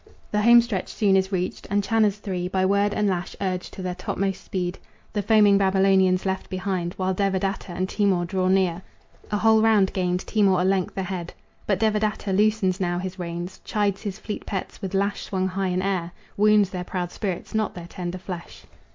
The home stretch soon is reached, and Channa's three By word and lash urged to their topmost speed, The foaming Babylonians left behind, While Devadatta and Timour draw near, A whole round gained, Timour a length ahead. But Devadatta loosens now his reins, Chides his fleet pets, with lash swung high in air Wounds their proud spirits, not their tender flesh.